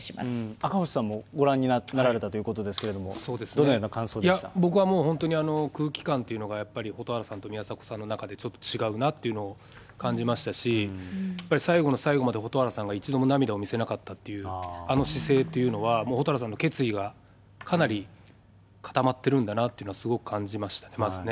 赤星さんもご覧になられたということですけれども、どのよう僕はもう、本当に空気感というのがやっぱり蛍原さんと宮迫さんの中で違うなっていうのを感じましたし、やっぱり最後の最後まで蛍原さんが一度も涙を見せなかったっていうあの姿勢というのは、もう蛍原さんの決意がかなり固まってるんだなというのは、すごく感じましたね、まずね。